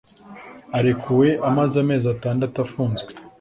Arekuwe amaze amezi atandatu afunzwe